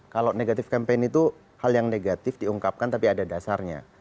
kalau negatif campaign itu hal yang negatif diungkapkan tapi ada dasarnya